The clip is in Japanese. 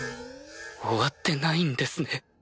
終わってないんですね。